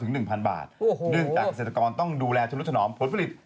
เนื่องจากเกษตรกรต้องดูแลชำรุดถนอมผลผลิต